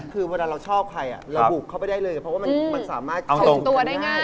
คือเวลาเราชอบใครเราบุกเข้าไปได้เลยเพราะว่ามันสามารถส่งตัวได้ง่าย